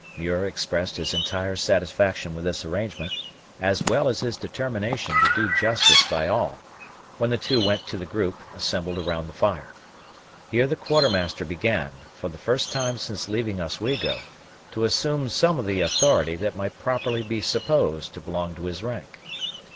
Muir expressed his entire satisfaction with this arrangement, as well as his determination to do justice by all, when the two went to the group assembled round the fire. Here the Quartermaster began, for the first time since leaving Oswego, to assume some of the authority that might properly be supposed to belong to his rank.